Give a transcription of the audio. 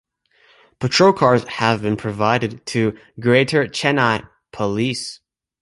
Patrol cars have been provided to Greater Chennai Police.